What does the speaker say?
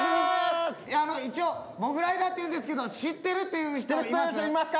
あの一応モグライダーっていうんですけど知ってるっていう人います？